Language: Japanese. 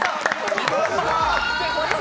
来ました！